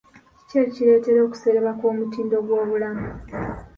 Kiki ekireeta okusereba kw'omutindo gw'obulamu?